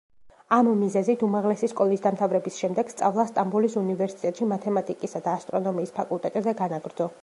ამ მიზეზით, უმაღლესი სკოლის დამთავრების შემდეგ, სწავლა სტამბოლის უნივერსიტეტში, მათემატიკისა და ასტრონომიის ფაკულტეტზე განაგრძო.